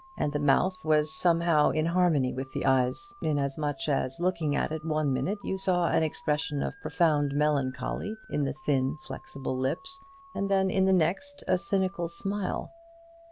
And the mouth was somehow in harmony with the eyes; inasmuch as looking at it one minute you saw an expression of profound melancholy in the thin flexible lips; and then in the next a cynical smile.